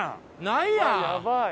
ないやん！